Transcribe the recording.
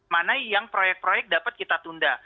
mana yang proyek proyek dapat kita tunda